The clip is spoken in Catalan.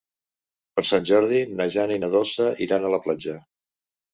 Per Sant Jordi na Jana i na Dolça iran a la platja.